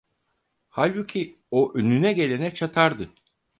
Halbuki o önüne gelene çatardı.